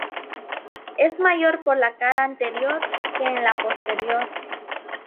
Es mayor por la cara anterior que en la posterior.